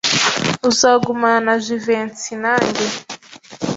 Uzagumana na Jivency nanjye.